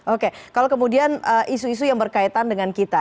oke kalau kemudian isu isu yang berkaitan dengan kita